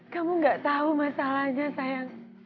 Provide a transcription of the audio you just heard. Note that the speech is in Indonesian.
kamu tidak tahu masalahnya sayang